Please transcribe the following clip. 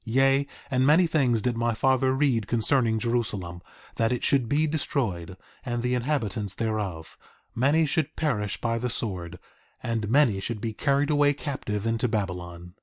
Yea, and many things did my father read concerning Jerusalem—that it should be destroyed, and the inhabitants thereof; many should perish by the sword, and many should be carried away captive into Babylon.